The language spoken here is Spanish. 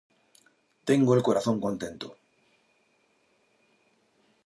Tengo el corazón contento